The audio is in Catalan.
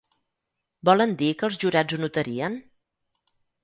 Volen dir que els jurats ho notarien?